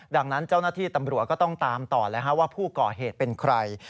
ดังนั้นเจ้าหน้าที่ตำรวจก็ต้องตามต่อแล้วว่าผู้ก่อเหตุเป็นใคร